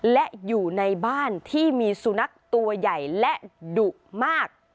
และอยู่ในบ้านที่มีสุนัขตัวใหญ่และดุมาก